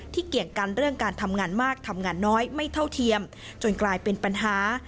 เกี่ยงกันเรื่องการทำงานมากทำงานน้อยไม่เท่าเทียมจนกลายเป็นปัญหา